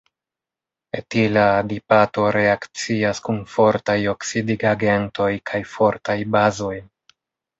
Etila adipato reakcias kun fortaj oksidigagentoj kaj fortaj bazoj.